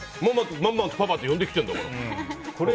ママ、パパって呼んできてるんだから。